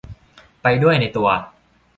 ไปด้วยในตัว